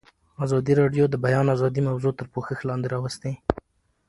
ازادي راډیو د د بیان آزادي موضوع تر پوښښ لاندې راوستې.